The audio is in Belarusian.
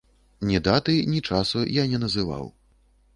Ні даты, ні часу я не называў.